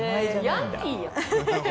ヤンキーやん。